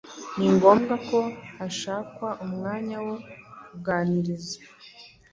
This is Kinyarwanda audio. Ni ngombwa ko hashakwa umwanya wo kuganiriza